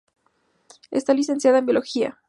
Está licenciada en Biología.